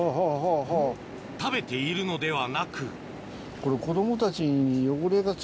食べているのではなくこれ。